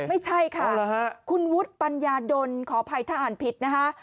ไม่ใช่ค่ะคุณวุฒิปัญญาดลขออภัยถ้าอ่านผิดนะคะ